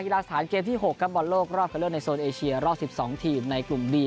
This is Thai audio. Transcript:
กีฬาสถานเกมที่หกกับบอลโลกรอบเข้าเลือดในโซนเอเชียรอบสิบสองทีมในกลุ่มบี